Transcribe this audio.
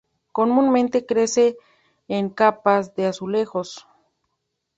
Comúnmente crece en capas de azulejos.